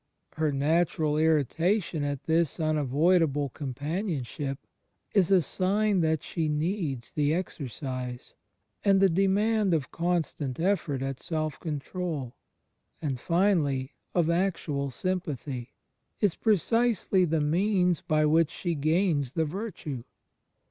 Her natural irri tation at this unavoidable companionship is a sign that she needs the exercise; and the demand of constant effort at self control, and finally of actual sympathy, is precisely the means by which she gains the virtue.